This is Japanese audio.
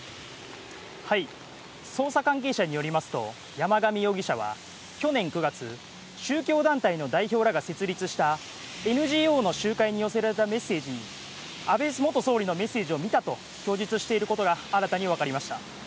捜査関係者によりますと、山上容疑者は去年９月、宗教団体の代表らが設立したＮＧＯの集会に寄せられた安倍元総理のメッセージを見たと供述していることが新たに分かりました。